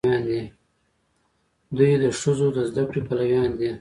دوی د ښځو د زده کړې پلویان دي.